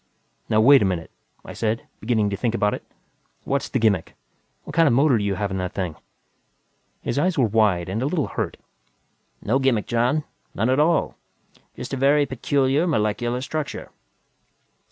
"Now wait a minute," I said, beginning to think about it. "What's the gimmick? What kind of motor do you have in that thing?" His eyes were wide and a little hurt. "No gimmick, John. None at all. Just a very peculiar molecular structure."